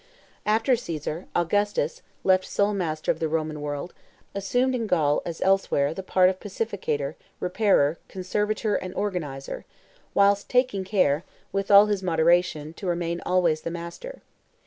After Caesar, Augustus, left sole master of the Roman world, assumed in Gaul, as elsewhere, the part of pacificator, repairer, conservator, and organizer, whilst taking care, with all his moderation, to remain always the master.